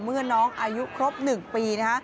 เมื่อน้องอายุครบ๑ปี